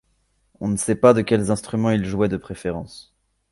On ne sait pas de quels instruments il jouait de préférence.